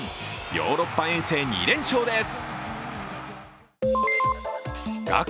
ヨーロッパ遠征２連勝です。